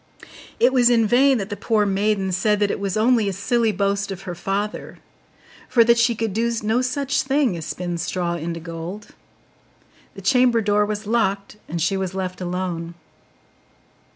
It was in vain that the poor maiden said that it was only a silly boast of her father, for that she could do no such thing as spin straw into gold: the chamber door was locked, and she was left alone.